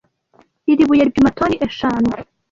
Iri buye ripima toni eshanu.